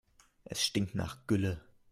Es stinkt nach Gülle.